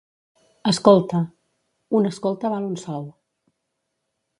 —Escolta. —Un escolta val un sou.